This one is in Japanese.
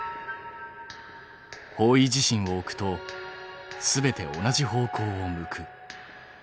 方位磁針を置くと全て同じ方向を向く。